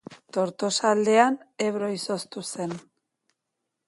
Tortosa aldean Ebro izoztu zen.